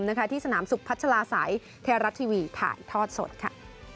และที่สนามสุขพัชลาศัยเทราัติวีถ่ายทอดสดค่ะ